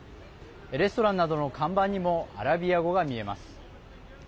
レストランなどの看板にもアラビア語が見えます。